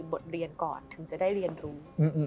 บทเรียนก่อนถึงจะได้เรียนรู้